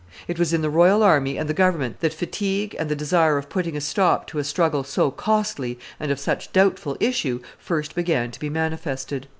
It was in the royal army and the government that fatigue and the desire of putting a stop to a struggle so costly and of such doubtful issue first began to be manifested.